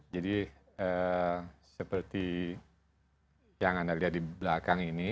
jadi seperti yang anda lihat di belakang ini